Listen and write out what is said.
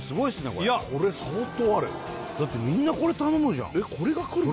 これこれ相当あるだってみんなこれ頼むじゃんえっこれが来るの？